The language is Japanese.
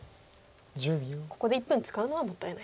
ここで１分使うのはもったいないと。